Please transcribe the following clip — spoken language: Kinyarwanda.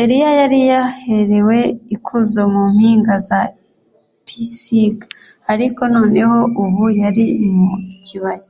Eliya yari yaherewe ikuzo mu mpinga za Pisiga ariko noneho ubu yari mu kibaya